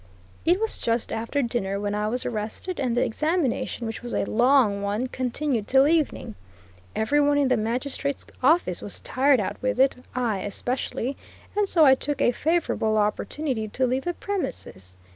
It was just after dinner when I was arrested, and the examination, which was a long one, continued till evening. Every one in the magistrate's office was tired out with it, I especially, and so I took a favorable opportunity to leave the premises.